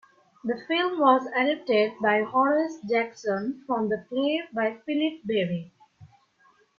The film was adapted by Horace Jackson from the play by Philip Barry.